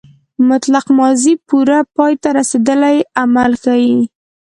مطلق ماضي پوره پای ته رسېدلی عمل ښيي.